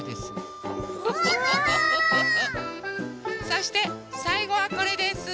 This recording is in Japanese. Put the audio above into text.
そしてさいごはこれです。